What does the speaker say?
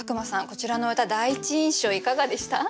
こちらの歌第一印象いかがでした？